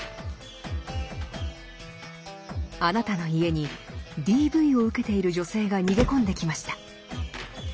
あなたの家にＤＶを受けている女性が逃げ込んできました。